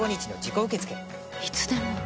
いつでも？